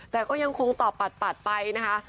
แต่ก็ยังคงตอบปัดไปนะคะ